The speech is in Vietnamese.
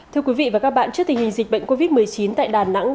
thưa quý vị và các bạn trước tình hình dịch bệnh covid một mươi chín tại đà nẵng